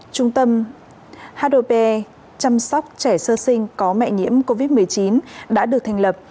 trung tâm hp chăm sóc trẻ sơ sinh có mẹ nhiễm covid một mươi chín đã được thành lập